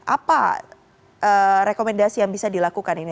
apa rekomendasi yang bisa dilakukan ini